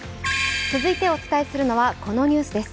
続いてお伝えするのはこちらのニュースです。